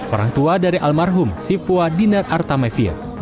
orang tua dari almarhum sifuwa dinar artamevi